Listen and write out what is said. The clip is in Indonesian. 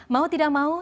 mau tidak mau